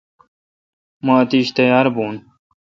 مہ اتیش تیار بھون۔